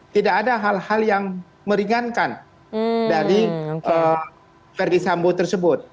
tidak ada hal hal yang meringankan dari verdi sambo tersebut